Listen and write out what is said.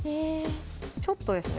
ちょっとですね